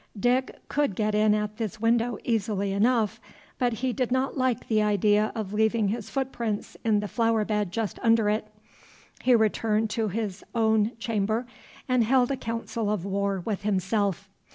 Dick could get in at this window easily enough, but he did not like the idea of leaving his footprints in the flower bed just under it. He returned to his own chamber, and held a council of war with himself.